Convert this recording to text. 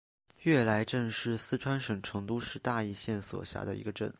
悦来镇是四川省成都市大邑县所辖的一个镇。